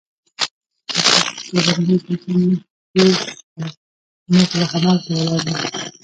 د توپ توغندی دلته نښتې وه، موږ لا همالته ولاړ وو.